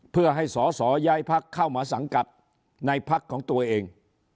เพื่อให้สอสอย้ายพักเข้ามาสังกัดในพักของตัวเอง